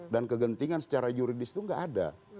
dan kegentingan secara yuridis itu tidak ada